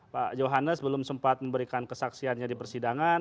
pak johannes belum sempat memberikan kesaksiannya di persidangan